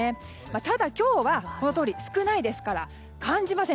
ただ、今日はこのとおり少ないですから感じません。